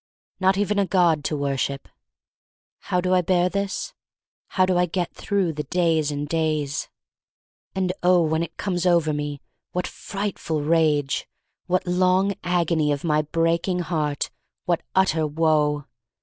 Not even a God to worship. How do I bear this? How do I get through the days and days? 274 THE STORY OF MARY MAC LANE 275 And, oh, when it all comes over me, what frightful rage — what long agony of my breaking heart — what utter woe!